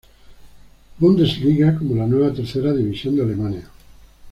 Bundesliga como la nueva tercera división de Alemania.